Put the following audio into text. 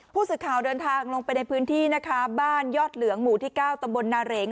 ผู้สื่อข่าวเดินทางลงไปในพื้นที่นะคะบ้านยอดเหลืองหมู่ที่๙ตำบลนาเหรง